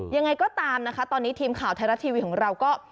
ยังไงก็ตามนะคะตอนนี้ทีมข่าวไทยรัฐทีวีของเราก็